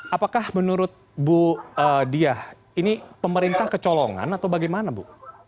apakah menurut bu diah ini pemerintah kecolongan atau bagaimana bu